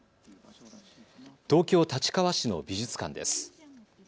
東京立川市の美術館です。